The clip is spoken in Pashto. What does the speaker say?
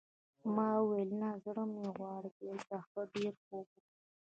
ما وویل نه زړه مې غواړي چې دلته ښه ډېر خوب وکړم.